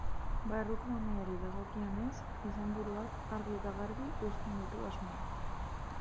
Barruko mamiari dagokionez, izenburuak argi eta garbi uzten ditu asmoak.